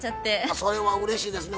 それはうれしいですね